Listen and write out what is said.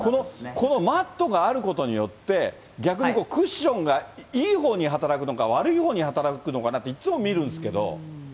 このマットがあることによって、逆にクッションがいいほうに働くのか悪いほうに働くのかなって、いつも見るんですけど。